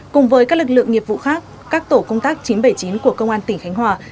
cùng với các lực lượng nghiệp vụ khác các tổ công tác chín trăm bảy mươi chín của công an tỉnh khánh hòa